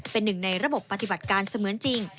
เป็นหนึ่งในระบบปฏิบัติการเสมือนจริง